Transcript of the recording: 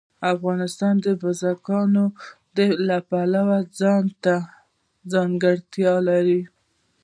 افغانستان د بزګان د پلوه ځانته ځانګړتیا لري.